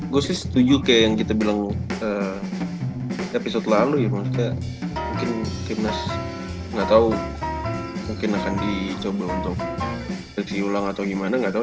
gue sih setuju kayak yang kita bilang episode lalu ya maksudnya mungkin timnas nggak tahu mungkin akan dicoba untuk revisi ulang atau gimana gak tau